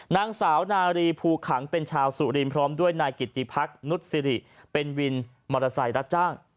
นางสาวนารีภูขังเป็นชาวสุรินทร์พร้อมด้วยนายกิติพักนุษศิริเป็นวินมอเตอร์ไซค์รับจ้าง